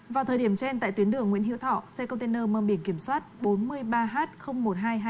vào thời điểm trên tại tuyến đường nguyễn hiếu thọ xe container mơ biển kiểm soát bốn mươi ba h một nghìn hai trăm hai mươi